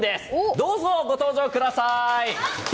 どうぞ、ご登場ください！